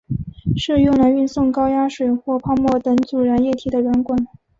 是用来运送高压水或泡沫等阻燃液体的软管。